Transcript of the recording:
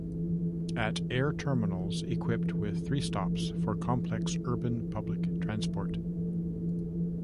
At air terminals equipped with three stops for complex urban public transport.